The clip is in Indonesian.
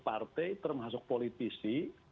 partai termasuk politisi